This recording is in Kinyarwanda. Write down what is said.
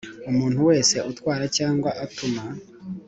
Umuntu wese utwara cyangwa utuma